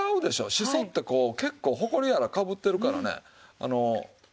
しそってこう結構ほこりやらかぶってるからね。